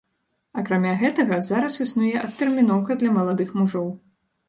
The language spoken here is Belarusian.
Акрамя гэтага, зараз існуе адтэрміноўка для маладых мужоў.